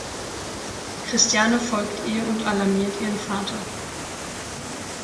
Christiane folgt ihr und alarmiert ihren Vater.